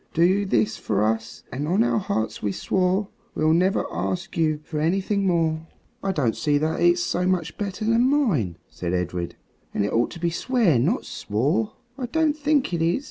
Do this for us, and on our hearts we swore We'll never ask you for anything more." "I don't see that it's so much better than mine," said Edred, "and it ought to be swear, not swore." "I don't think it is.